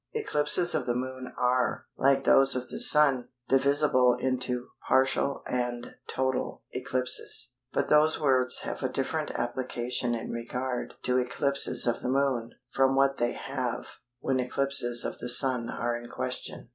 Eclipses of the Moon are, like those of the Sun, divisible into "partial" and "total" eclipses, but those words have a different application in regard to eclipses of the Moon from what they have when eclipses of the Sun are in question.